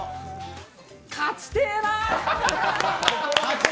勝ちてぇな！！